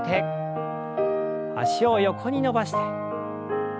脚を横に伸ばして。